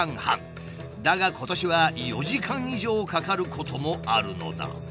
だが今年は４時間以上かかることもあるのだ。